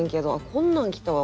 こんなん来たわ。